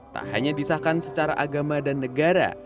tak hanya disahkan secara agama dan negara